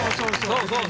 そうそう。